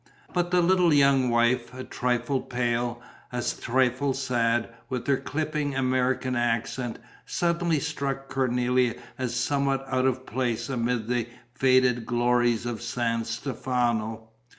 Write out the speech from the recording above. But the little young wife, a trifle pale, a trifle sad, with her clipping American accent, suddenly struck Cornélie as somewhat out of place amid the faded glories of San Stefano.